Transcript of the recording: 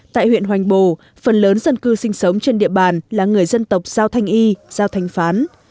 tại huyện hoành bồ phần lớn dân cư sinh sống trên địa bàn là người dân tộc giao thanh y giao thanh phán